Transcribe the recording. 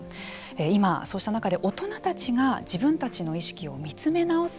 今、そうした中で大人たちが自分たちの意識を見つめ直す